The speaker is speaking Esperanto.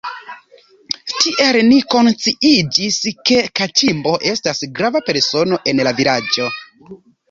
Tiel ni konsciiĝis, ke Kaĉimbo estas grava persono en la vilaĝo.